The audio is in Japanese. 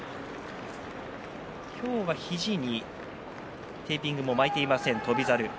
今日は肘にテーピングを巻いていません翔猿。